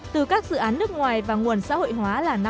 từ các dự án nước ngoài và nguồn xã hội hóa là năm mươi